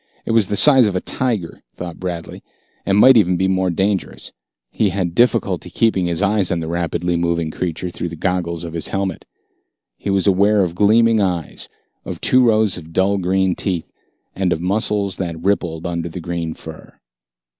It was the size of a tiger, thought Bradley, and might be even more dangerous. He had difficulty keeping his eyes on the rapidly moving creature through the goggles of his helmet. He was aware of gleaming eyes, of two rows of dull green teeth, and of muscles that rippled under the green fur.